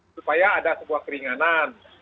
supaya ada sebuah keringanan